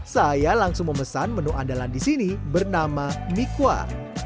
saya langsung memesan menu andalan di sini bernama mikwar